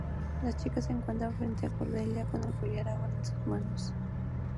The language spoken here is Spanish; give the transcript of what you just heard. Las chicas se encuentran frente a Cordelia, con el collar ahora en sus manos.